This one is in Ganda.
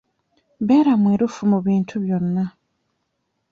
Beera mwerufu mu bintu byo byonna.